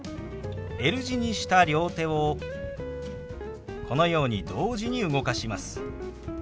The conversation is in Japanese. Ｌ字にした両手をこのように同時に動かします。